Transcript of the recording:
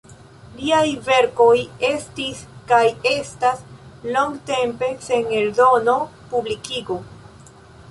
Liaj verkoj estis kaj estas longtempe sen eldono, publikigo.